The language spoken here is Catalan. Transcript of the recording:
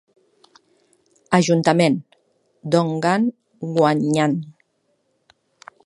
Ajuntament, Dongan Gwanyang.